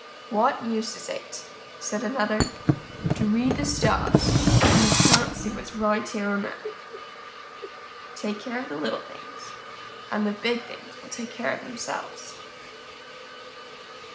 "What use is it," said another, "to read the stars, when you can't see what's right here on the earth?" _Take care of the little things and the big things will take care of themselves.